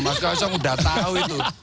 mas kaisang udah tahu itu